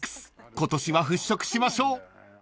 今年は払拭しましょう］